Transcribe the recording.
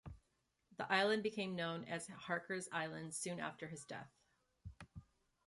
The island became known as Harkers Island soon after his death.